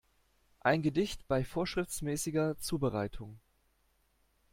Ein Gedicht bei vorschriftsmäßiger Zubereitung.